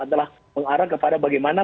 adalah mengarah kepada bagaimana